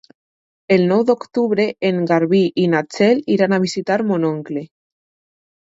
El nou d'octubre en Garbí i na Txell iran a visitar mon oncle.